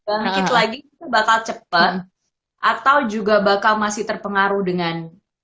sedikit lagi bakal cepat atau juga bakal masih terpengaruh dengan